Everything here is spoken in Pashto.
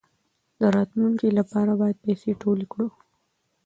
د راتلونکي لپاره باید پیسې ټولې کړو.